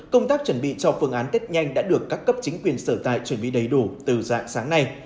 công tác chuẩn bị cho phương án tết nhanh đã được các cấp chính quyền sở tại chuẩn bị đầy đủ từ dạng sáng nay